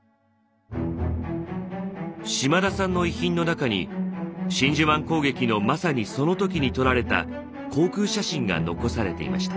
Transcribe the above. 島田さんの遺品の中に真珠湾攻撃のまさにその時に撮られた航空写真が残されていました。